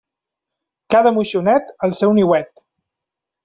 Cada moixonet, el seu niuet.